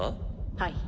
はい。